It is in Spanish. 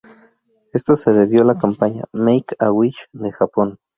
Esto se debió a la campaña "Make A-Wish" de Japón.